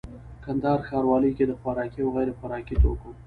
کندهار ښاروالي کي د خوراکي او غیري خوراکي توکو